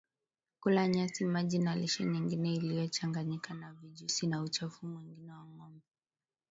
Kula nyasi maji na lishe nyingine iliyochanganyika na vijusi na uchafu mwingine wa ngombe